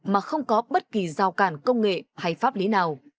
mà không có bất kỳ rào cản công nghệ hay pháp lý nào